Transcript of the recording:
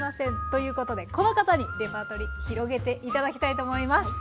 ということでこの方にレパートリー広げて頂きたいと思います！